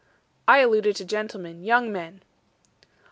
"I alluded to gentlemen young men."